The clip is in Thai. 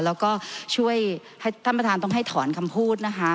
แล้วก็ช่วยให้ท่านประธานต้องให้ถอนคำพูดนะคะ